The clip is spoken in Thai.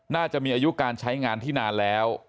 น่าจะมีอายุการใช้งานที่นานแล้ว